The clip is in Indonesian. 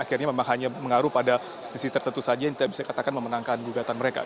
ini tidak mengaruh pada sisi tertentu saja yang bisa dikatakan memenangkan gugatan mereka